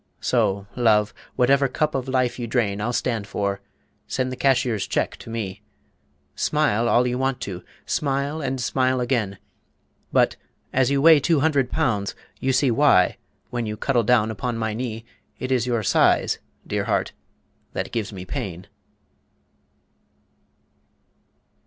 So, love, whatever cup of Life you drain I'll stand for. Send the cashier's check to me. "Smile" all you want to; smile and smile again. But as you weigh two hundred pounds, you see Why, when you cuddle down upon my knee, It is your size, dear heart, that gives me pain.